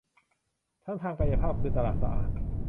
ทั้งทางกายภาพคือตลาดสะอาด